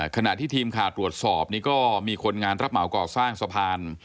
ขณะที่ทีมข่าวตรวจสอบนี่ก็มีคนงานรับเหมาก่อสร้างสะพาน